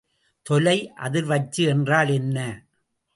தொலை அதிர்வச்சு என்றால் என்ன?